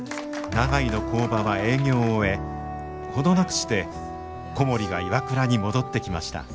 長井の工場は営業を終え程なくして小森がＩＷＡＫＵＲＡに戻ってきました。